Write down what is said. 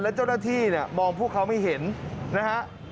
และเจ้าหน้าที่มองผู้เขาไม่เห็นนะครับ